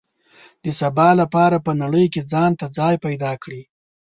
د سبا لپاره په نړۍ کې ځان ته ځای پیدا کړي.